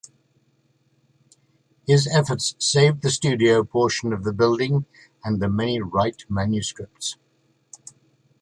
His efforts saved the studio portion of the building and the many Wright manuscripts.